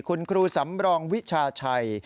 คุณครูสำรองวิชาชัย